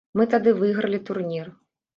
Мы тады выйгралі турнір.